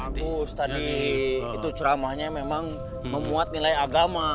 pak agus tadi ceramahnya memang memuat nilai agama